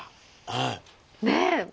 ねえ。